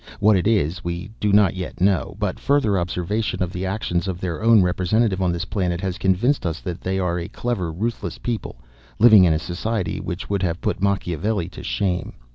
What it is, we do not yet know, but further observation of the actions of their own representative on this planet has convinced us that they are a clever, ruthless people, living in a society which would have put Machiavelli to shame.